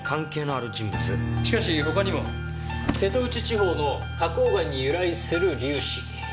しかし他にも瀬戸内地方の花崗岩に由来する粒子。